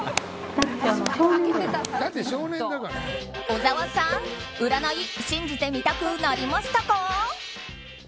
小沢さん占い信じてみたくなりましたか？